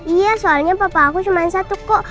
iya soalnya papa aku cuma satu kok